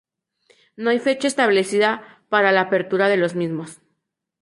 No hay fecha establecida para la apertura de los mismos.